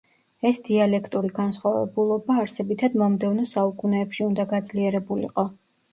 ეს დიალექტური განსხვავებულობა არსებითად მომდევნო საუკუნეებში უნდა გაძლიერებულიყო.